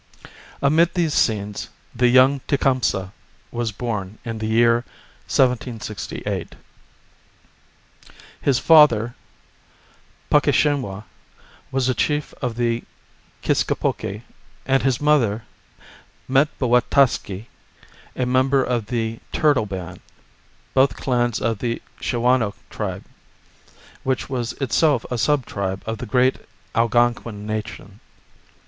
Amid these scenes the young Tecumseh was born in the year 1768. His father, Puckeshinwau, was a chief of the Kiscopoke, and his mother, Metboataske, a member of the Turtle band, both clans of the Shawanoe tribe, which was itself a sub tribe of the great Algonquin nation.